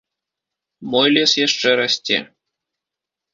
Мой лес яшчэ расце.